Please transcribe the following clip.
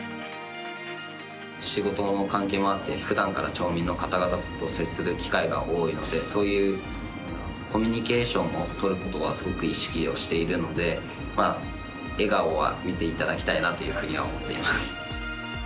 仕事の関係もあってふだんから町民の方々と接する機会が多いのでそういうコミュニケーションをとることはすごく意識をしているので笑顔は見ていただきたいなというふうには思っています。